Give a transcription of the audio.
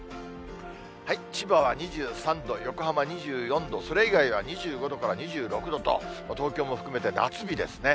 千葉は２３度、横浜２４度、それ以外は２５度から２６度と、東京も含めて夏日ですね。